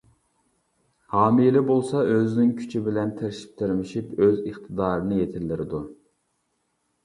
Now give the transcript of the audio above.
ھامىلە بولسا، ئۆزىنىڭ كۈچى بىلەن، تىرىشىپ-تىرمىشىپ ئۆز ئىقتىدارىنى يېتىلدۈرىدۇ.